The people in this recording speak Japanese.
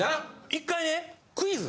１回ねクイズ。